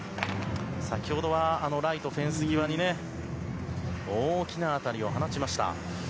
先ほどはライトフェンス際に大きな当たりを放ちました。